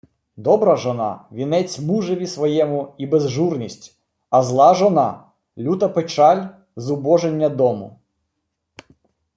Добра жона – вінець мужеві своєму і безжурність, а зла жона – люта печаль, зубожіння дому.